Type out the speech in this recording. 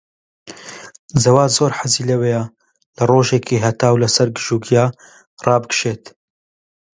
جەواد زۆر حەزی لەوەیە لە ڕۆژێکی هەتاو لەسەر گژوگیا ڕابکشێت.